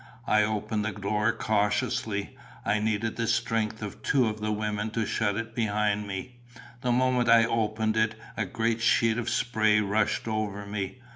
I opened the door cautiously. It needed the strength of two of the women to shut it behind me. The moment I opened it a great sheet of spray rushed over me.